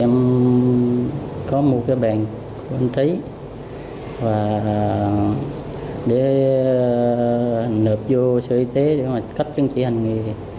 em có một cái bàn của anh trí và để nộp vô sở y tế để mà cấp chứng chỉ hành nghề